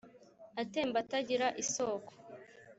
atemba atagira isoko